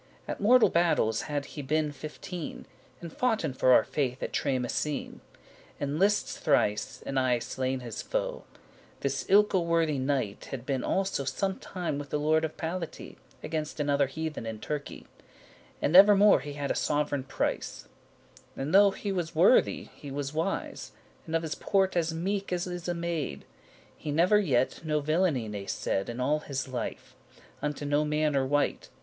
At mortal battles had he been fifteen, And foughten for our faith at Tramissene. In listes thries, and aye slain his foe. This ilke* worthy knight had been also *same <9> Some time with the lord of Palatie, Against another heathen in Turkie: And evermore *he had a sovereign price*. *He was held in very And though that he was worthy he was wise, high esteem.* And of his port as meek as is a maid. He never yet no villainy ne said In all his life, unto no manner wight.